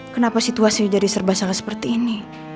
kenapa situasi jadi serba salah seperti ini